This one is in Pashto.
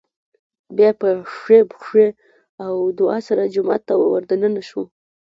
بيا په ښۍ پښې او دعا سره جومات ته ور دننه شو